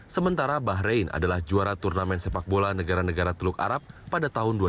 sementara bahrain adalah juara turnamen sepak bola negara negara teluk arab pada tahun dua ribu dua